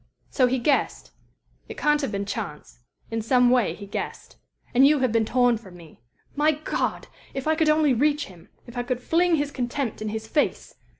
"So he guessed? "It can't have been chance. In some way he guessed. And you have been torn from me. My God! If I could only reach him if I could fling his contempt in his face!